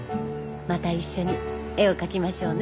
また一緒に絵を描きましょうね。